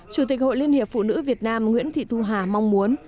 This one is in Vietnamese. chủ tịch hội liên hiệp phụ nữ việt nam nguyễn thị thu hà mong muốn